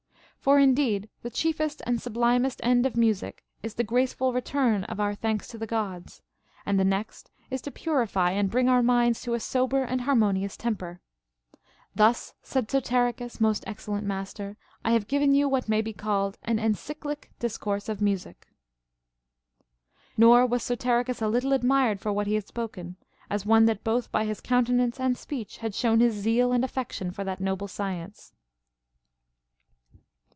For indeed the chiefest and sublimest end of music is the graceful return of our thanks to the Gods, and the next is to purify and bring our minds to a sober and harmonious temper. Thus, said Soterichus, most excellent master, I have given you what may be called an encyclic discourse of music. 43. Nor was Soterichus a little admired for what he had spoken, as one that both by his countenance and speech had shown his zeal and affection for that noble science.